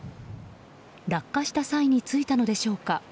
落下した際についたのでしょうか